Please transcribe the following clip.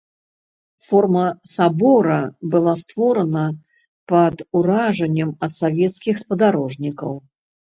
Форма сабора была створана пад уражаннем ад савецкіх спадарожнікаў.